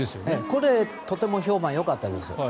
これ、とても評判がよかったですよ。